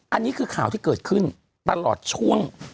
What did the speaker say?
อันนี้คือข่าวที่เกิดขึ้นตลอดช่วง